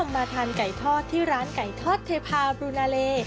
มาทานไก่ทอดที่ร้านไก่ทอดเทพาบลูนาเล